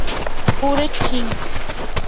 Juárez, Chih.